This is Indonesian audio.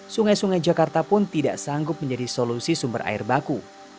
sungai sungai jakarta pun tidak sanggup menjadi solusi sumber air baku